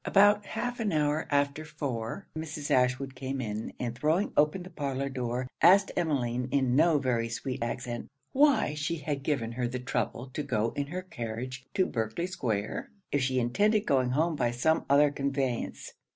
About half an hour after four, Mrs. Ashwood came in; and throwing open the parlour door, asked Emmeline, in no very sweet accent, 'Why she had given her the trouble to go in her carriage to Berkley square, if she intended going home by any other conveyance?'